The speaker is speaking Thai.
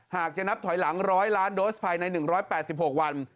หากจะนับถอยหลัง๑๐๐ล้านโดสภายใน๑๘๖วัน